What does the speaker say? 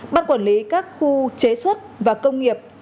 ban quản lý các khu chế xuất và công nghiệp